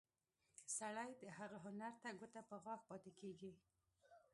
سړی د هغه هنر ته ګوته په غاښ پاتې کېږي.